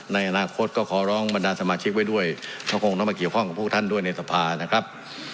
ในอนาคตก็ขอร้องบรรดาสมาชิกไว้ด้วยก็คงต้องมาเกี่ยวข้องกับพวกท่านด้วยในสภานะครับ